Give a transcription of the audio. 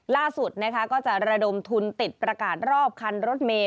ล่าสุดนะคะก็จะระดมทุนติดประกาศรอบคันรถเมย